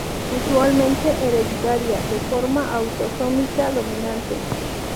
Usualmente hereditaria de forma autosómica dominante.